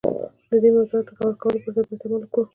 دې موضوعاتو ته د غور کولو پر ځای باید عمل وکړو.